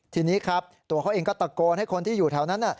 ทีนี้ครับตัวเขาเองก็ตะโกนให้คนที่อยู่แถวนั้น